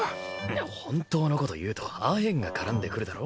本当のこと言うとアヘンが絡んでくるだろ？